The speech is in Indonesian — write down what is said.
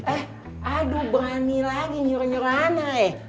eh aduh berani lagi nyuruh nyuruh anak ya